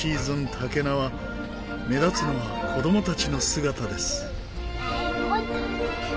たけなわ目立つのは子供たちの姿です。